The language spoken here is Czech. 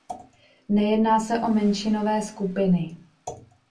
Nejedná se o menšinové skupiny.